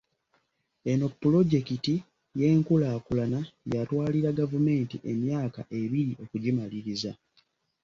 Eno pulojekiti y'enkulaakulana yatwalira gavumenti emyaka ebiri okugimaliriza